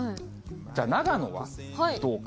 じゃあ、長野はどうか。